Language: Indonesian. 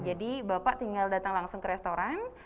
jadi bapak tinggal datang langsung ke restoran